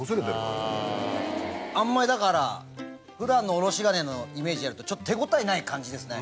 あんまりだから普段のおろし金のイメージでやるとちょっと手応えない感じですね。